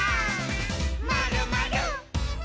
「まるまる」